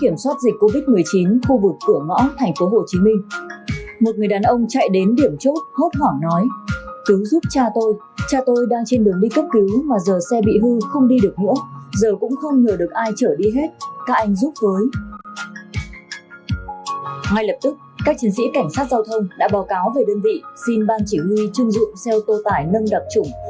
ngay lập tức các chiến sĩ cảnh sát giao thông đã báo cáo về đơn vị xin ban chỉ huy chương dụng xe ô tô tải nâng đặc trủng